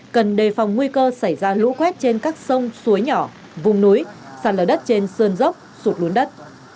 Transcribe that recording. cần đề phòng nguy cơ xảy ra lũ quét trên các sông suối nhỏ vùng núi sạt lở đất trên sơn dốc sụt lún đất